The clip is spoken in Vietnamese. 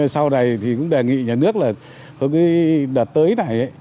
sau này thì cũng đề nghị nhà nước là đợt tới này